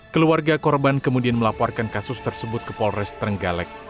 keluarga korban kemudian melaporkan kasus tersebut ke polres trenggalek